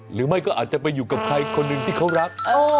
หรือไม่ก็อาจจะไปอยู่กับใครคนหนึ่งที่เขารัก